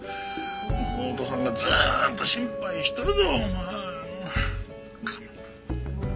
妹さんがずっと心配しとるぞお前。